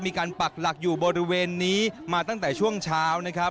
ปักหลักอยู่บริเวณนี้มาตั้งแต่ช่วงเช้านะครับ